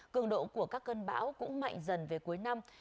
cường độ của các cơn bão cũng mạnh dần về cuối năm